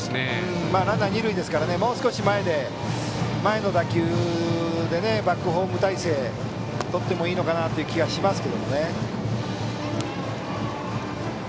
ランナー、二塁なのでもう少し前の打球でバックホーム態勢をとってもいいのかなという気がしますけど。